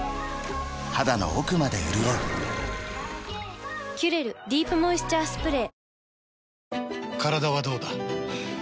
肌の奥まで潤う「キュレルディープモイスチャースプレー」